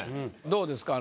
どうですか？